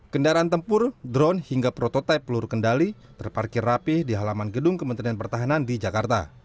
kendaraan tempur drone hingga prototipe peluru kendali terparkir rapih di halaman gedung kementerian pertahanan di jakarta